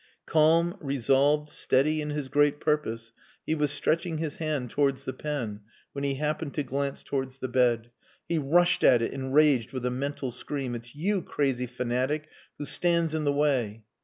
Calm, resolved, steady in his great purpose, he was stretching his hand towards the pen when he happened to glance towards the bed. He rushed at it, enraged, with a mental scream: "it's you, crazy fanatic, who stands in the way!"